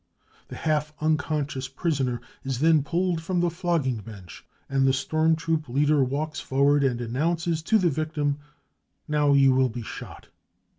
v The half unconscious prisoner is then pulled from the flogging bench, and the storm troop leader walks forward and announces to the victim : <c Now you will be shot.